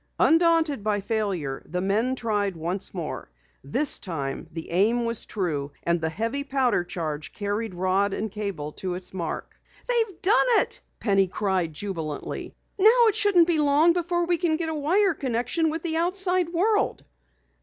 Undaunted by failure, the men tried once more. This time the aim was true, and the heavy powder charge carried rod and cable to its mark. "They've done it!" Penny cried jubilantly. "Now it shouldn't be long before we get a wire connection with the outside world!"